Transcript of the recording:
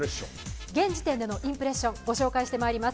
現時点でのインプレッション御紹介してまいります。